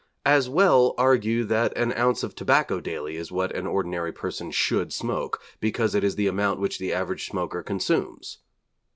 As well argue that an ounce of tobacco daily is what an ordinary person should smoke because it is the amount which the average smoker consumes.